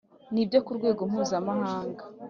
n ibyo ku rwego mpuzamahanga